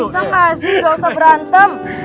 bisa gak sih gak usah berantem